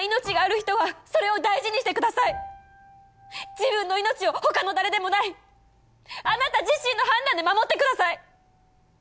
自分の命をほかの誰でもないあなた自身の判断で守ってください！